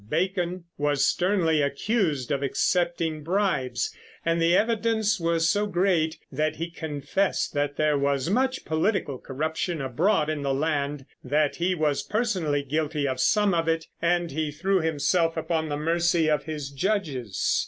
Bacon was sternly accused of accepting bribes, and the evidence was so great that he confessed that there was much political corruption abroad in the land, that he was personally guilty of some of it, and he threw himself upon the mercy of his judges.